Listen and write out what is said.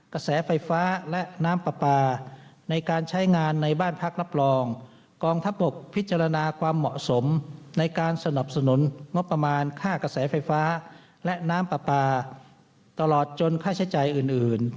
กระแสไฟฟ้าและน้ำปลาปลาในการใช้งานในบ้านพักรับรองกองทัพบกพิจารณาความเหมาะสมในการสนับสนุนงบประมาณค่ากระแสไฟฟ้าและน้ำปลาปลาตลอดจนค่าใช้จ่ายอื่น